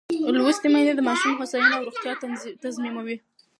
لوستې میندې د ماشوم هوساینه او روغتیا تضمینوي.